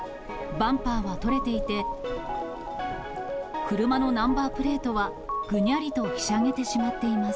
バンパーは取れていて、車のナンバープレートはぐにゃりとひしゃげてしまってます。